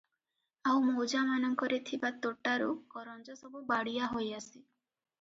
ଆଉ ମୌଜାମାନଙ୍କରେ ଥିବା ତୋଟାରୁ କରଞ୍ଜସବୁ ବାଡ଼ିଆ ହୋଇ ଆସେ ।